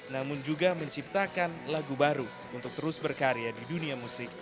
namun juga menciptakan lagu baru untuk terus berkarya di dunia musik